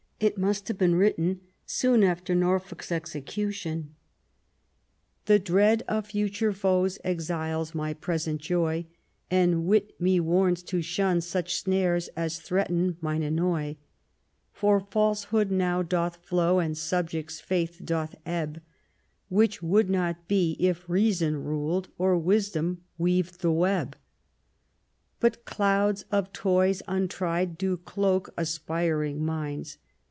It must have been written soon after Norfolk's execution :— The dread of future foes exiles my present joy, And wit me warns to shun such snares as threaten mine annoy. For falsehood now doth flow, and subject's faith doth ebb ; Which would not be if Reason ruled, or Wisdom weaved the web. But clouds of toys untried do cloak aspiring minds.